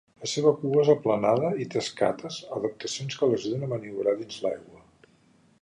La seva cua és aplanada i té escates, adaptacions que l'ajuden a maniobrar dins l'aigua.